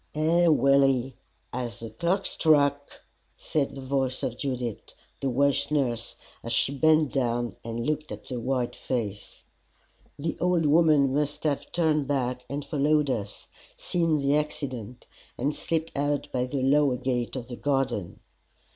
"Ay, Willie, as the clock struck!" said the voice of Judith, the Welsh nurse, as she bent down and looked at the white face. The old woman must have turned back and followed us, seen the accident, and slipped out by the lower gate of the garden.